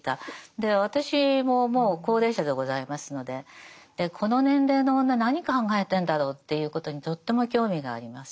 で私ももう高齢者でございますのででこの年齢の女何考えてんだろうということにとっても興味があります。